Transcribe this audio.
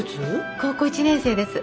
高校１年生です。